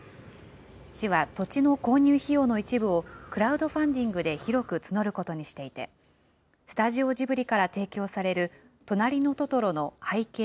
市は土地の購入費用の一部をクラウドファンディングで広く募ることにしていて、スタジオジブリから提供されるとなりのトトロの背景